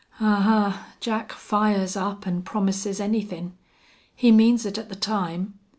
"Ahuh! Jack fires up an' promises anythin'. He means it at the time.